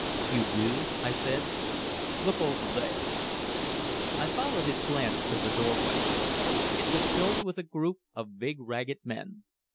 "You do," I said. "Look over there." I followed his glance to the doorway. It was filled with a group of big ragged men.